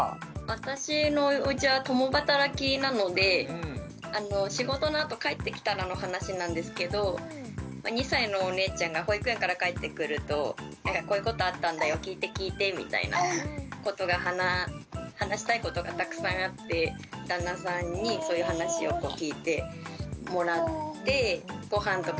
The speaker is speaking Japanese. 私のおうちは共働きなので仕事のあと帰ってきたらの話なんですけど２歳のお姉ちゃんが保育園から帰ってくると「こういうことあったんだよ聞いて聞いて」みたいなことが話したいことがたくさんあってさあ他にも聞いてみましょうか？